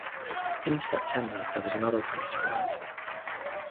In September there was another race riot.